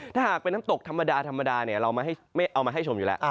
ถ้าหากเป็นน้ำตกธรรมดาธรรมดาเราเอามาให้ชมอยู่แล้ว